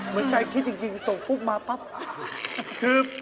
แม่แต่คิดอย่างจริงส่งปุ้บมาปั๊บ